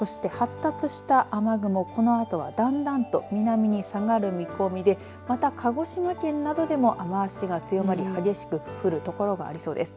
そして発達した雨雲、このあとはだんだんと南に下がる見込みでまた鹿児島県などでも雨足が強まり激しく降る所がありそうです。